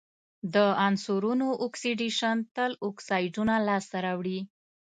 د عنصرونو اکسیدیشن تل اکسایدونه لاسته راوړي.